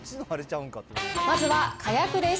まずはかやくです。